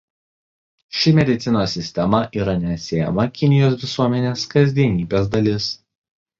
Ši medicinos sistema yra neatsiejama Kinijos visuomenės kasdienybės dalis.